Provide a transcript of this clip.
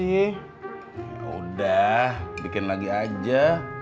yaudah bikin lagi aja